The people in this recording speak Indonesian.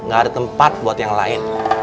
gak ada tempat buat yang lain